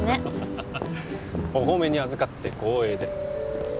ハハハハハハッお褒めにあずかって光栄です